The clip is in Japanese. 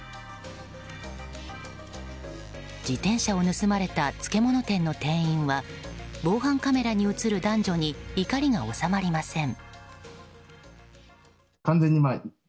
自転車を盗まれた漬物店の店員は防犯カメラに映る男女に怒りが収まりません。